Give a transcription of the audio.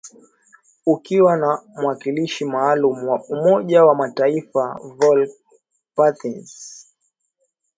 akiwa na mwakilishi maalum wa Umoja wa mataifa Volker Perthes